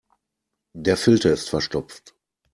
Der Filter ist verstopft.